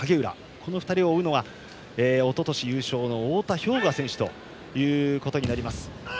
この２人を追うのはおととし優勝の太田彪雅選手となります。